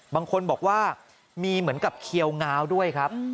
บางคนบอกว่ามีเหมือนกับเคียวง้าวด้วยครับ